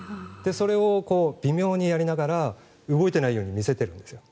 それを微妙にやりながら動いてないように見せてるんです。